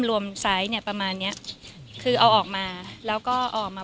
ไซส์เนี้ยประมาณเนี้ยคือเอาออกมาแล้วก็ออกมา